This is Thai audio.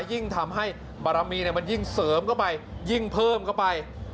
ยิ่งทำให้บารมีมันยิ่งเสริมเข้าไปยิ่งเพิ่มเข้าไป